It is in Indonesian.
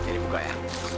ini buka ya